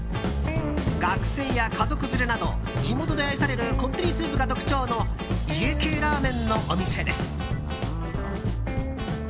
学生や家族連れなど地元で愛されるこってりスープが特徴の家系ラーメンのお店です。